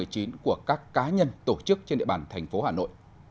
của các cá nhân tổ chức trên địa bàn tp hcm